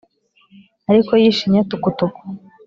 ariko y’ishinya tukutuku